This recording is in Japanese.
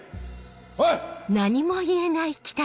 おい！